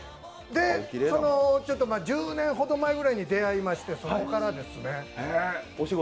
１０年ほど前ぐらいに出会いまして、そこかれですね。